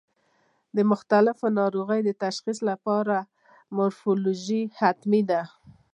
د مختلفو ناروغیو د تشخیص لپاره مورفولوژي حتمي ده.